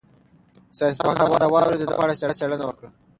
ساینس پوهانو د واورې د دانو په اړه څېړنه وکړه.